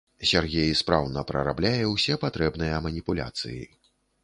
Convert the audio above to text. Сяргей спраўна прарабляе ўсе патрэбныя маніпуляцыі.